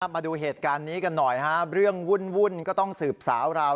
มาดูเหตุการณ์นี้กันหน่อยเรื่องวุ่นก็ต้องสืบสาวราว